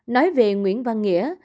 nói về nguyễn văn nghĩa